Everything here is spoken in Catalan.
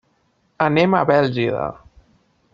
Anem a Bèlgida.